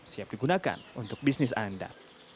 siap digunakan untuk bisnis anda